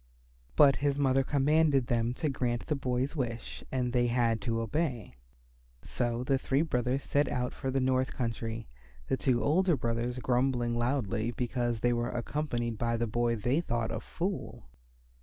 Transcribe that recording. But his mother commanded them to grant the boy's wish and they had to obey. So the three brothers set out for the north country, the two older brothers grumbling loudly because they were accompanied by the boy they thought a fool.